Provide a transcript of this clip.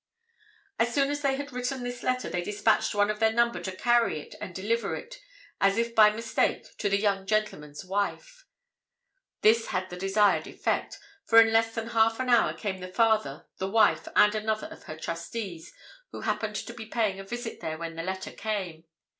As soon as they had written this letter, they dispatched one of their number to carry it and deliver it, as if by mistake, to the young gentleman's wife. This had the desired effect, for in less than half an hour came the father, the wife, and another of her trustees, who happened to be paying a visit there when the letter came.